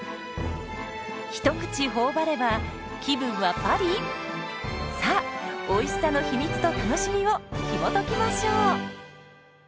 一口頬張れば気分はパリ⁉さあおいしさの秘密と楽しみをひもときましょう。